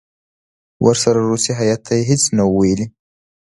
ورسره روسي هیات ته یې هېڅ نه وو ویلي.